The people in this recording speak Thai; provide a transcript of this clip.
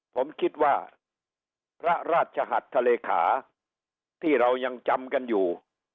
ผมคิดว่าพระราชหัสทะเลขาที่เรายังจำกันอยู่